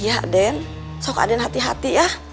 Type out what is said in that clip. iya aden sok aden hati hati ya